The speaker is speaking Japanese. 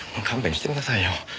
勘弁してくださいよ。